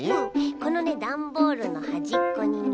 このねダンボールのはじっこにね